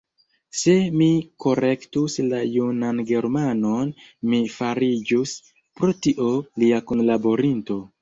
Se mi korektus la junan Germanon, mi fariĝus, pro tio, lia kunlaborinto.